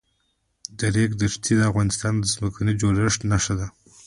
د ریګ دښتې د افغانستان د ځمکې د جوړښت نښه ده.